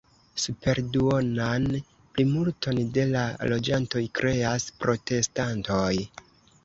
Superduonan plimulton de la loĝantoj kreas protestantoj.